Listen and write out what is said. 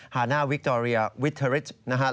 ฮาน่าวิคจอเรียวิทเทอริชนะครับ